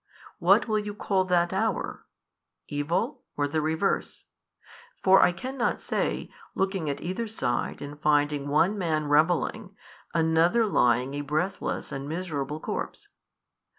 what will you call that hour? evil, or the reverse? for I cannot say, looking at either side and finding one man revelling, another lying a breathless and miserable corpse.